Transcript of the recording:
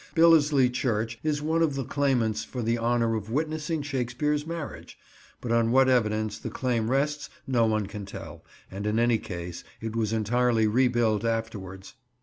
Billesley church is one of the claimants for the honour of witnessing Shakespeare's marriage, but on what evidence the claim rests no one can tell, and, in any case, it was entirely rebuilt afterwards.